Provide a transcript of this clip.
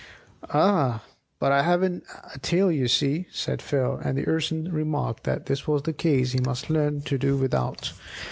"Ah, but I haven't a tail, you see!" said Phil, and the Urson remarked that as that was the case he must learn to do without.